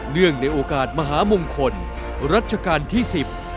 เนื่องในโอกาสมหามงคลรัชกาลที่สิบ